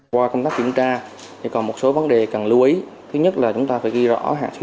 qua công tác kiểm tra thì còn một số vấn đề cần lưu ý thứ nhất là chúng ta phải ghi rõ hạn chế